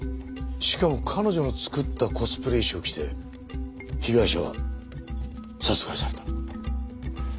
しかも彼女の作ったコスプレ衣装を着て被害者は殺害された。